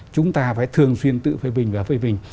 chúng ta phải thường xuyên tự phê bình và phê bình